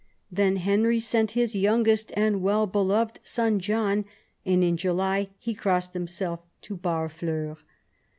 Then Henry sent his youngest and well beloved son John, and in July he crossed himself to Barfleur.